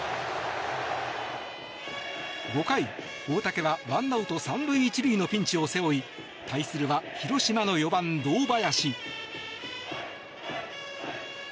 ５回、大竹は１アウト３塁１塁のピンチを背負い対するは広島の４番、堂林。